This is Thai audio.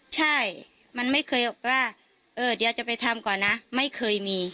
ใช่มันไม่เคยว่าเออเดี๋ยวจะไปทำก่อนนะไม่เคยมี